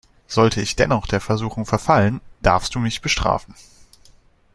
Sollte ich dennoch der Versuchung verfallen, darfst du mich bestrafen.